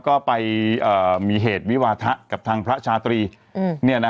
ก็ไปมีเหตุวิวาทะกับทางพระชาตรี